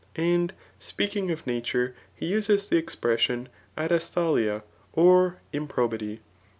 And speaking of nature he uses the expresdon atasthaUa or improbity.